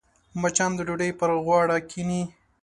مچان د ډوډۍ پر غوړه کښېني